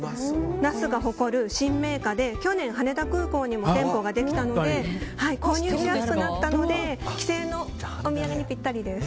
那須が誇る新銘菓で去年、羽田空港にも店舗ができたので購入しやすくなったので帰省のお土産にぴったりです。